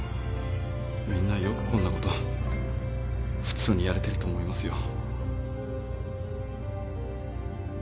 みんなよくこんなこと普通にやれてると思いますよ。